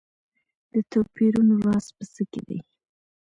د توپیرونو راز په څه کې دی.